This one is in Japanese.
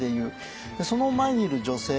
その前にいる女性